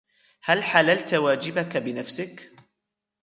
هل حللتَ واجِبك بنفسك ؟